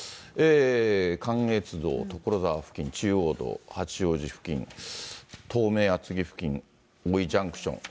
関越道、所沢付近、中央道、八王子付近、東名厚木付近、大井ジャンクション。